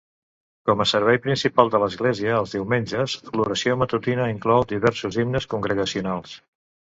Com a servei principal de l"església els diumenges, l"oració matutina inclou diversos himnes congregacionals.